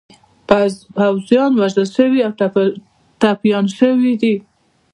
پوځیان وژل شوي او ټپیان شوي دي.